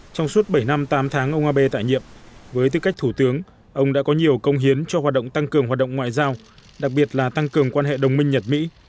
trong suốt bảy năm tám tháng ông abe tại nhiệm với tư cách thủ tướng ông đã có nhiều công hiến cho hoạt động tăng cường hoạt động ngoại giao đặc biệt là tăng cường quan hệ đồng minh nhật mỹ